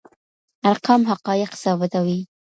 ارقام حقایق ثابتوي.